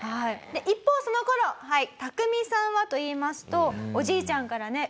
一方その頃タクミさんはといいますとおじいちゃんからね